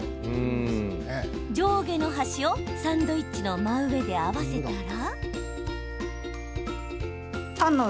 上下の端をサンドイッチの真上で合わせたら。